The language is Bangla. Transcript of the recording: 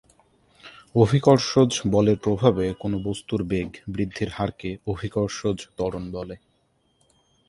অভিকর্ষজ বলের প্রভাবে কোন বস্তুর বেগ বৃদ্ধির হারকে অভিকর্ষজ ত্বরণ বলে।